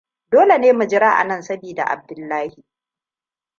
Dole ne mu jira anan sabida Abdullahi.